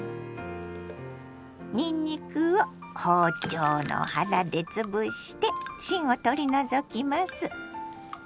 にんにくを包丁の腹で潰して芯を取り除きます。